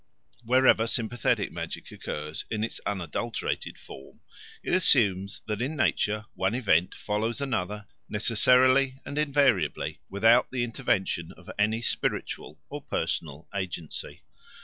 Wherever sympathetic magic occurs in its pure unadulterated form, it assumes that in nature one event follows another necessarily and invariably without the intervention of any spiritual or personal agency.